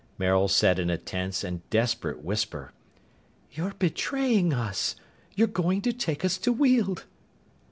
Maril said in a tense and desperate whisper, "You're betraying us! You're going to take us to Weald!"